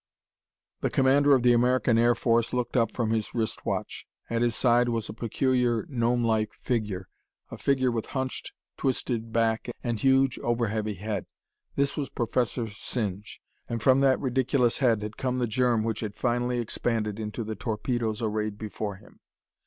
The Commander of the American Air Force looked up from his wrist watch. At his side was a peculiar gnomelike figure, a figure with hunched, twisted back and huge, over heavy head. This was Professor Singe, and from that ridiculous head had come the germ which had finally expanded into the torpedoes arrayed before him.